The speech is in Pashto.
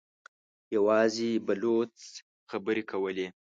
يواځې بلوڅ خبرې کولې.